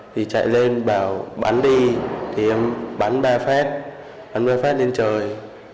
thì chạy lên bảo bắn đi thì bắn ba phát bắn ba phát lên trời